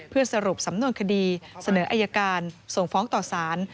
เพื่อสรุปสำนวนคดีเสนออายการส่งฟ้องต่อสาร